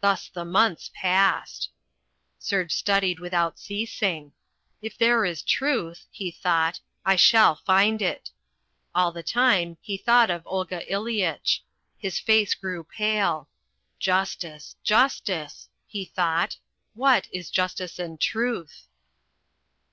Thus the months passed. Serge studied without ceasing. "If there is truth," he thought, "I shall find it." All the time he Thought of Olga Ileyitch. His face grew pale. "Justice, Justice," he thought, "what is justice and truth?"